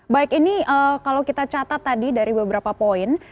baik ini kalau kita catat tadi dari beberapa poin